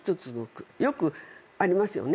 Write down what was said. よくありますよね。